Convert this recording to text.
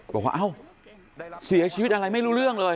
บอกว่าเอ้าเสียชีวิตอะไรไม่รู้เรื่องเลย